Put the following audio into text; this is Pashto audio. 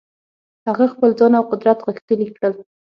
هغه خپل ځان او قدرت غښتلي کړل.